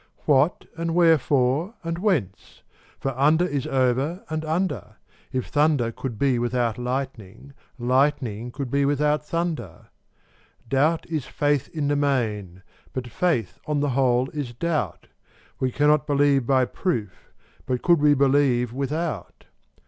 What, and wherefore, and whence? for under is over and under: If thunder could be without lightning, lightning could be without thunder. Doubt is faith in the main: but faith, on the whole, is doubt: We cannot believe by proof: but could we believe without?